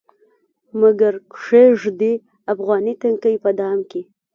مګر کښيږدي افغاني نتکۍ په دام کې